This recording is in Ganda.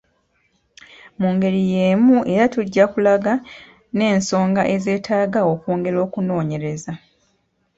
Mu ngeri y’emu era tujja kulaga n’ensonga ezeetaaga okwongera okunoonyereza.